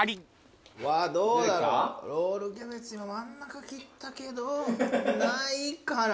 どうだろうロールキャベツの真ん中切ったけどないかな？